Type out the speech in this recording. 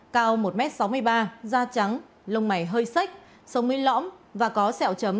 cao một m sáu mươi ba da trắng lông mẩy hơi sách sông nguyên lõm và có sẹo chấm